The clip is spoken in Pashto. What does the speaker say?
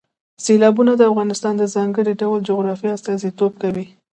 سیلابونه د افغانستان د ځانګړي ډول جغرافیه استازیتوب کوي.